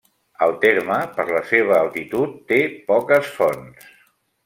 El terme, per la seva altitud, té poques fonts.